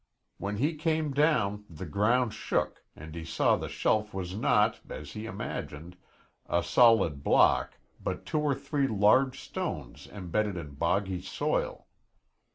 When he came down the ground shook and he saw the shelf was not, as he imagined, a solid block but two or three large stones embedded in boggy soil.